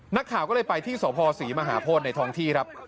นักข่าวก็เลยไปที่สภศรีมหาโพธิในท้องที่ครับ